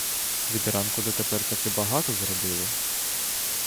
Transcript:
Від ранку дотепер таки багато зробили.